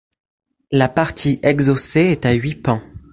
La partie exhaussée est à huit pans.